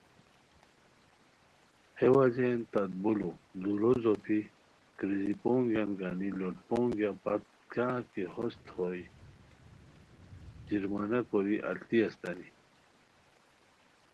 ہے وجہین تت بولو دُورو زوپھی کریزی پونگیار گانی لوٹ پونگیہ پت کیاغ کی ہوست ہوئے جرمانہ کوری التی استانی